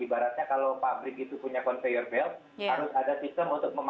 ibaratnya kalau pabrik itu punya conveyor belt harus ada sistem untuk mematikan conveyor belt seketika